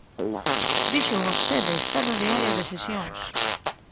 Díxoo vostede, está no Diario de Sesións.